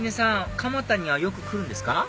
蒲田にはよく来るんですか？